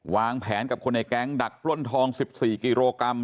วางแผนกับคนในแก๊งดักปล้นทอง๑๔กิโลกรัม